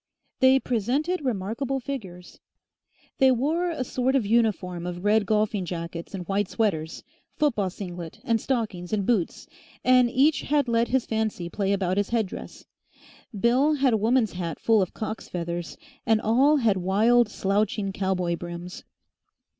They presented remarkable figures. They wore a sort of uniform of red golfing jackets and white sweaters, football singlet, and stockings and boots and each had let his fancy play about his head dress. Bill had a woman's hat full of cock's feathers, and all had wild, slouching cowboy brims.